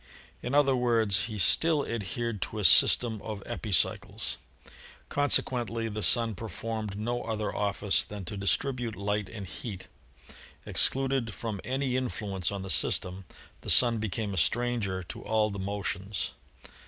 In other words, he still adhered to a system of epicycles. Consequently the Sun performed no other office than to distribute light and heat. Excluded from any influence on the system, the Sun became a stranger to all the motions.